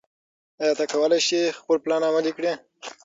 ایا ته کولی شې خپل پلان عملي کړې؟